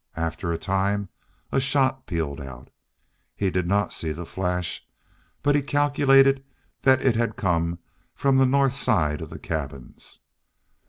After a time a shot pealed out. He did not see the flash, but he calculated that it had come from the north side of the cabins.